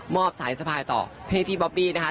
มากมายกันเลยทีเดียวแล้วค่ะ